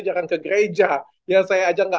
jarang ke gereja ya saya aja nggak